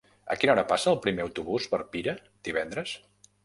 A quina hora passa el primer autobús per Pira divendres?